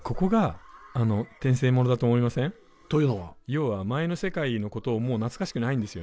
要は前の世界のこともう懐かしくないんですよね。